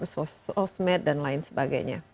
sosmed dan lain sebagainya